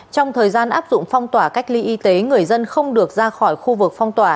trong thời gian áp dụng phong tỏa cách ly y tế người dân không được ra khỏi khu vực phong tỏa